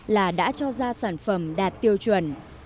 là đã cho ra sản phẩm đạt tiêu chuẩn